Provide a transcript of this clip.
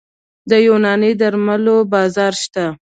د یوناني درملو بازار شته؟